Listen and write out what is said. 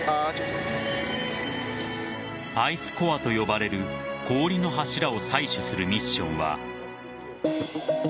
アイスコアと呼ばれる氷の柱を採取するミッションは。